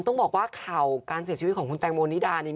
ต้องบอกว่าข่าวการเสียชีวิตของคุณแตงโมนิดานี่